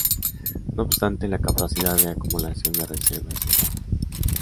No obstante, la capacidad de acumulación de reservas es baja.